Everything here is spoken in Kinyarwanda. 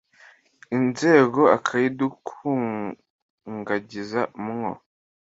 nzego akayidukungagiza mwo.